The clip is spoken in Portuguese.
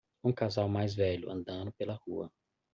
Um casal mais velho andando pela rua.